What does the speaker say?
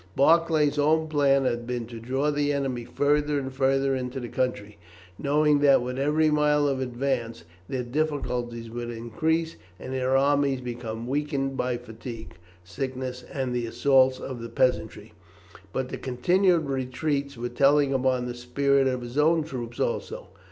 Barclay's own plan had been to draw the enemy farther and farther into the country, knowing that with every mile of advance their difficulties would increase and their armies become weakened by fatigue, sickness, and the assaults of the peasantry. But the continued retreats were telling upon the spirit of his own troops also.